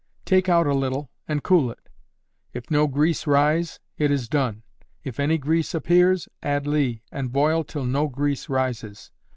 Take out a little, and cool it. If no grease rise it is done. If any grease appears, add ley, and boil till no grease rises.